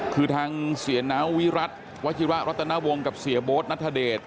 คือทางเสียน้าวิรัติวัฒนาวงกับเสียโบ๊ทนัทเดช